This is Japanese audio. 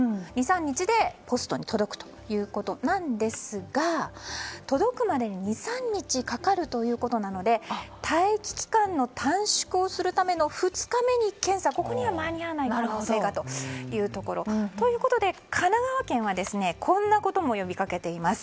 ２３日でポストに届くということなんですが届くまでに２３日かかるということなので待機期間の短縮をするための２日目に検査ここには間に合わない可能性がというところ。ということで神奈川県はこんなことも呼び掛けています。